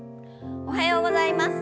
おはようございます。